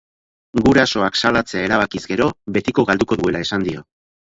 Gurasoak salatzea erabakiz gero, betiko galduko duela esango dio.